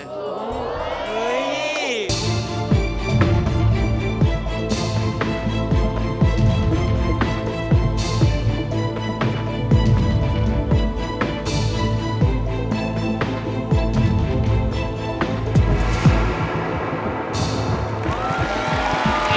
เธอจะมาหลีดเหลิมไหม